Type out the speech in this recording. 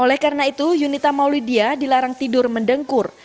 oleh karena itu yunita maulidia dilarang tidur mendengkur